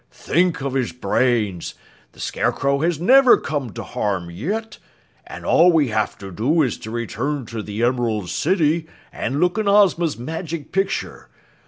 "Think of his brains! The Scarecrow has never come to harm yet, and all we have to do is to return to the Emerald City and look in Ozma's Magic Picture.